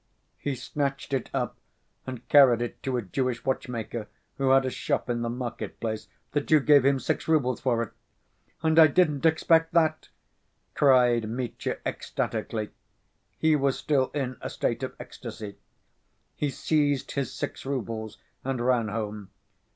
He snatched it up and carried it to a Jewish watchmaker who had a shop in the market‐place. The Jew gave him six roubles for it. "And I didn't expect that," cried Mitya, ecstatically. (He was still in a state of ecstasy.) He seized his six roubles and ran home.